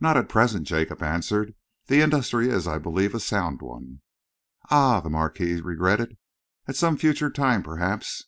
"Not at present," Jacob answered. "The industry is, I believe, a sound one." "Ah!" the Marquis regretted. "At some future time, perhaps.